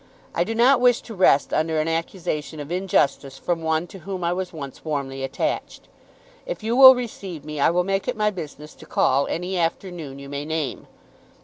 I do not wish to rest under an accusation of injustice from one to whom I was once warmly attached. If you will receive me, I will make it my business to call any afternoon you may name.